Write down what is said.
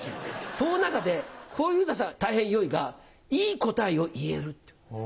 その中で小遊三さん「たいへんよい」が「いい答えを言える」。